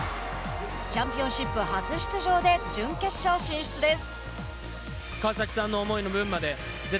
チャンピオンシップ初出場で準決勝進出です。